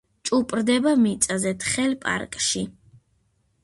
ჭუპრდება მიწაზე, თხელ პარკში.